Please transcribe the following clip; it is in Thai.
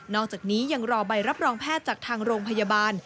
อกจากนี้ยังรอใบรับรองแพทย์จากทางโรงพยาบาล